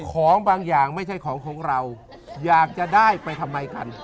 ของบางอย่างไม่ใช่ของของเราอยากจะได้ไปทำไมกัน